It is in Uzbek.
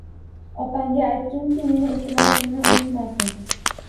Opangga aytginki, meni iltimosimni unutmasin!